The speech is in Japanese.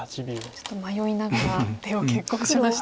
ちょっと迷いながらでも決行しましたね。